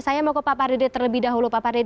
saya mau ke pak pak rd d terlebih dahulu